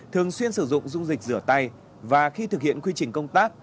thường xuyên sử dụng dung dịch rửa tay và khi thực hiện quy trình công tác